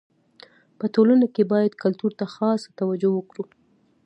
په ټولنه کي باید کلتور ته خاصه توجو وکړي.